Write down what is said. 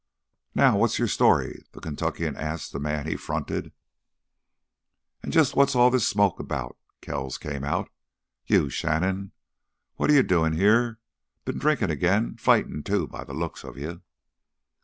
"Now, what's your story?" the Kentuckian asked the man he fronted. "An' jus' what's all this smokin' 'bout?" Kells came out. "You, Shannon, what're you doin' here? Been drinkin' again, fightin', too, by th' look of you."